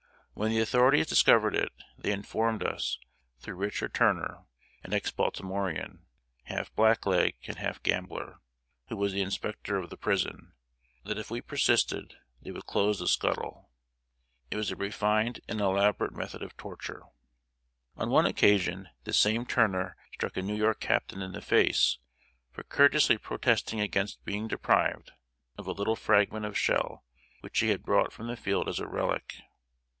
When the authorities discovered it, they informed us, through Richard Turner an ex Baltimorean, half black leg and half gambler, who was inspector of the prison that if we persisted, they would close the scuttle. It was a refined and elaborate method of torture. On one occasion, this same Turner struck a New York captain in the face for courteously protesting against being deprived of a little fragment of shell which he had brought from the field as a relic.